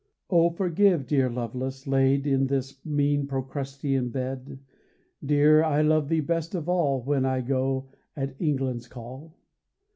(Oh, forgive, dear Lovelace, laid In this mean Procrustean bedl) Dear, I love thee best of all When I go, at England's call.